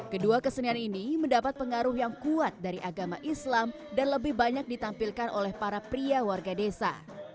kedua kesenian ini mendapat pengaruh yang kuat dari agama islam dan lebih banyak ditampilkan oleh para pria warga desa